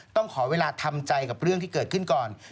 ต้องขอเวลาทำใจกับเรื่องที่เกิดขึ้นก่อน